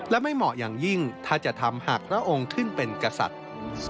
และไม่เหมาะอย่างยิ่งถ้าจะทำหากพระองค์ขึ้นเป็นกษัตริย์